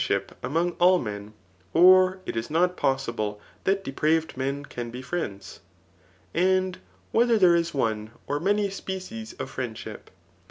is fiienddiip among all men, or it is not pos^k that <fe* praved mai can he firi^ds ? And whether there is one, or many species of friendship